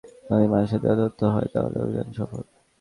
যদি মানুষের দেয়া তথ্য ঠিক হয় তাহলে অভিযান সফল।